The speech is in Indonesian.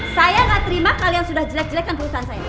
saya gak terima kalian sudah jelek jelekkan perusahaan saya